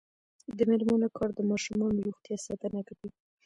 د میرمنو کار د ماشومانو روغتیا ساتنه کوي.